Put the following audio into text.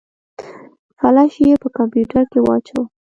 فلش يې په کمپيوټر کې واچوه.